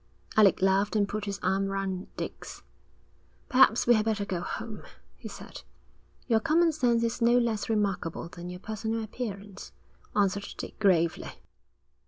Alec laughed and put his arm through Dick's. 'Perhaps we had better go home,' he said. 'Your common sense is no less remarkable than your personal appearance,' answered Dick gravely.